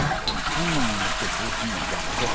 こんなん持ってこうすんのんちゃうの？